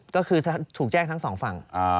ก็คือถูกแจ้งทั้งสองฝั่ง